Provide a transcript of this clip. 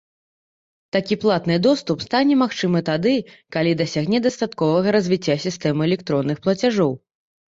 Такі платны доступ стане магчымы тады, калі дасягне дастатковага развіцця сістэма электронных плацяжоў.